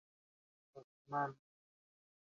Los Hnos.